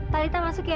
talitha masuk ya